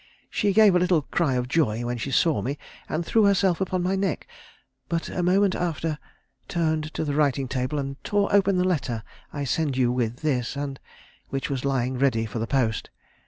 She gave a little cry of joy when she saw me, and threw herself upon my neck; but a moment after, turned to the writing table and tore open the letter I send you with this, and which was lying ready for the post.